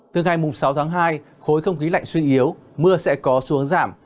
từ ngày sáu tháng hai khối không khí lạnh suy yếu mưa sẽ có xuống giảm